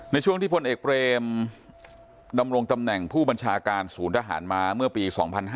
ในช่วงที่พลเอกเบรมดำรงตำแหน่งผู้บัญชาการศูนย์ทหารมาเมื่อปี๒๕๕๙